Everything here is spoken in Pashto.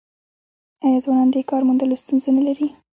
آیا ځوانان د کار موندلو ستونزه نلري؟